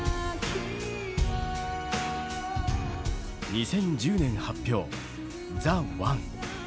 ２０１０年発表「ＴＨＥＯＮＥ」。